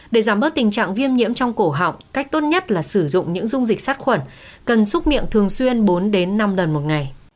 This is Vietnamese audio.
để giảm bớt tình trạng viêm nhiễm trong cổ học cách tốt nhất là sử dụng những dung dịch sát khuẩn cần xúc miệng thường xuyên bốn năm lần một ngày